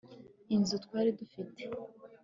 inzu twari dufite